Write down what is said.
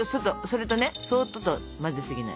それとねそっとと混ぜすぎない。